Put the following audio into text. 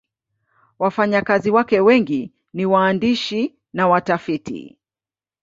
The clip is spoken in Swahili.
Wafanyakazi wake wengi ni waandishi na watafiti.